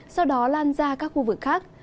sau đó lan ra các khu vực khác